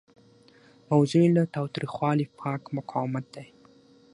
موضوع یې له تاوتریخوالي پاک مقاومت دی.